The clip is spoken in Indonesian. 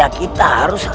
aku akan menemukanmu